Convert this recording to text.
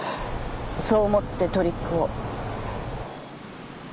そう思ってトリックを。